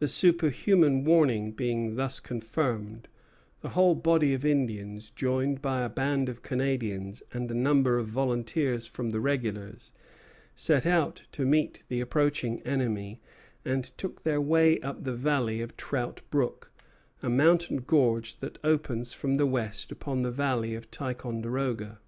The superhuman warning being thus confirmed, the whole body of Indians, joined by a band of Canadians and a number of volunteers from the regulars, set out to meet the approaching enemy, and took their way up the valley of Trout Brook, a mountain gorge that opens from the west upon the valley of Ticonderoga.